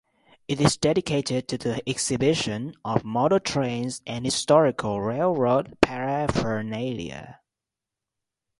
It is dedicated to the exhibition of model trains and historical railroad paraphernalia.